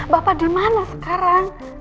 bapak dimana sekarang